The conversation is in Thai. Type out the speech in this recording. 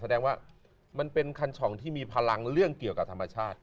แสดงว่ามันเป็นคันฉ่องที่มีพลังเรื่องเกี่ยวกับธรรมชาติ